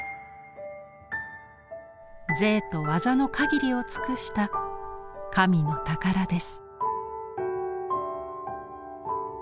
贅と技の限りを尽くした神の宝です。